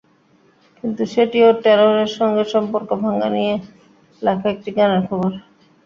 কিন্তু সেটিও টেলরের সঙ্গে সম্পর্ক ভাঙা নিয়ে লেখা একটি গানের খবর।